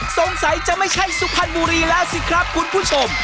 สงสัยจะไม่ใช่สุพรรณบุรีแล้วสิครับคุณผู้ชม